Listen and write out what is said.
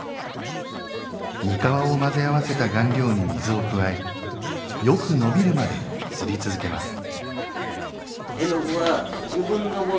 にかわを混ぜ合わせた顔料に水を加えよくのびるまで擦り続けます。